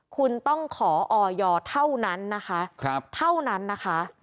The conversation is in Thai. คุณต้องขอออยเท่านั้นนะคะเท่านั้นนะคะ